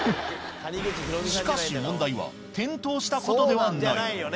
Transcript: しかし問題は転倒したことではない。